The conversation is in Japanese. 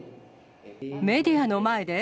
メディアの前で？